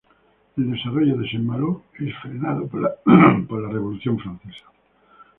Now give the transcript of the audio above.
El desarrollo de Saint-Malo es frenado por la Revolución francesa.